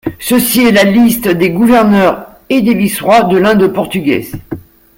Ceci est la liste des gouverneurs et des vice-rois de l'Inde portugaise.